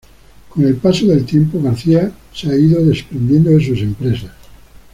Con el paso del tiempo, García se ha ido desprendiendo de sus empresas.